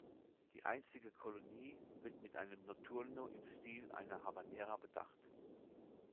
Die einstige Kolonie wird mit einem "Notturno" im Stil einer Habanera bedacht.